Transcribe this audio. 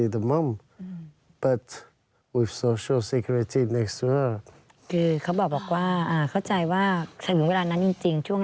ถ้าเป็นกันแล้วก็ส่งไปฟังการต่าง